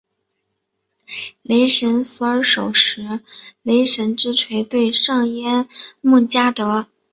雷神索尔手持雷神之锤对上耶梦加得。